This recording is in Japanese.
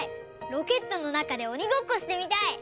ロケットのなかでおにごっこしてみたい！